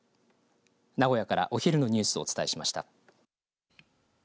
名古屋からお昼のニュースをお伝えしました。